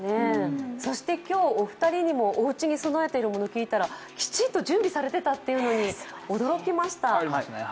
そして今日、お二人にもおうちに準備されているもの聞きましたら、きちんと準備されてたってことに驚きました。